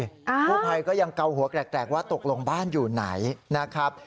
เตลียดเกาหัวแกลกว่าตกลงบ้านอยู่ไหนนะครับ